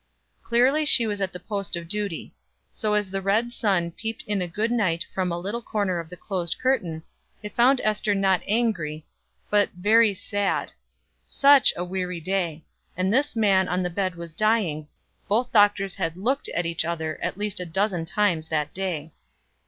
Clearly she was at the post of duty. So as the red sun peeped in a good night from a little corner of the closed curtain, it found Ester not angry, but very sad. Such a weary day! And this man on the bed was dying; both doctors had looked that at each other at least a dozen times that day.